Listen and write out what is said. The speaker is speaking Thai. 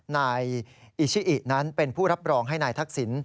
นายอิชิอินั้นเป็นผู้รับรองให้นายทักษิณ